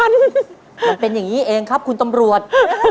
มันเป็นอย่างนี้เองครับคุณตำรวจ